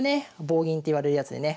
棒銀っていわれるやつでね